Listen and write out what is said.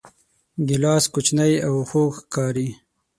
ګیلاس کوچنی او خوږ ښکاري.